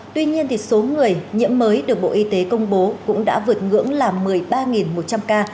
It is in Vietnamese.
tuy nhiên số người nhiễm mới được bộ y tế công bố cũng đã vượt ngưỡng là một mươi ba một trăm linh ca